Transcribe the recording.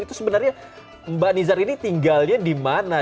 itu sebenarnya mbak nizar ini tinggalnya dimana